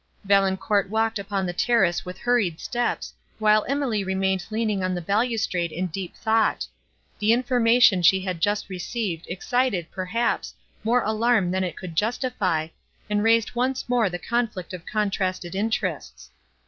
Valancourt walked upon the terrace with hurried steps, while Emily remained leaning on the balustrade in deep thought. The information she had just received excited, perhaps, more alarm than it could justify, and raised once more the conflict of contrasted interests.